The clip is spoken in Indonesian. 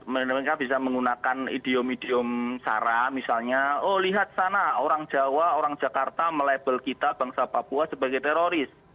mereka bisa menggunakan idiom idiom sara misalnya oh lihat sana orang jawa orang jakarta melabel kita bangsa papua sebagai teroris